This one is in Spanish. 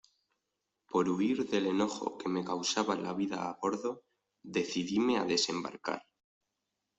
por huir del enojo que me causaba la vida a bordo, decidíme a desembarcar.